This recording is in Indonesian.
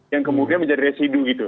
yang kemudian menjadi residu gitu